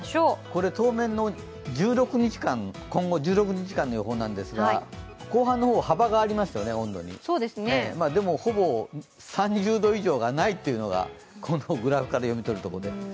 これ当面の今後１６日間の予報なんですが後半の方、温度に幅がありますよねでも、ほぼ３０度以上がないというのがこのグラフから読み取れると思います。